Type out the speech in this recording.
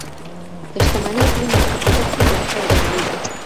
که شتمني وي نو عقیده کله ناکله بدلیږي.